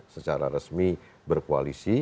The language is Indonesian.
secara resmi berkoalisi